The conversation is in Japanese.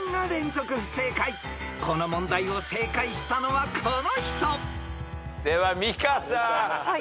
［この問題を正解したのはこの人］では美香さん。